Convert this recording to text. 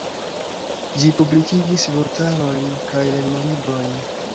Ĝi publikigis vortarojn kaj lernolibrojn.